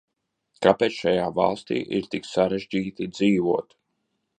Kāpēc šajā valstī ir tik sarežģīti dzīvot?